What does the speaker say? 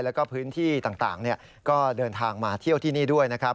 แล้วก็พื้นที่ต่างก็เดินทางมาเที่ยวที่นี่ด้วยนะครับ